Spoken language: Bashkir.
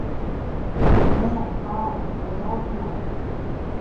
Мә, ал, юғалтма!